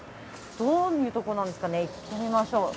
どういうところなんですかね、行ってみましょう。